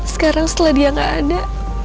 sekarang setelah dia gak ada